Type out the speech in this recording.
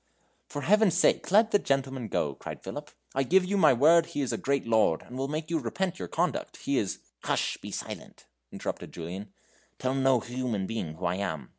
"For Heaven's sake, let the gentleman go," cried Philip; "I give you my word he is a great lord, and will make you repent your conduct. He is " "Hush; be silent," interrupted Julian; "tell no human being who I am.